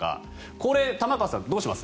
これ、玉川さん、どうします？